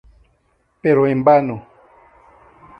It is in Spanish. Pero en vano.